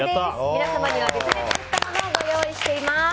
皆様には別で作ったものをご用意しています。